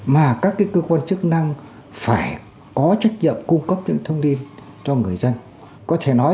mà các cơ quan chức năng phải có trách nhiệm cung cấp những thông tin cho người dân có thể nói